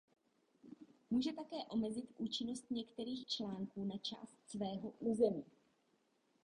Může také omezit účinnost některých článků na část svého území.